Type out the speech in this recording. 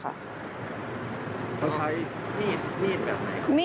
เขาใช้นีดแบบไหน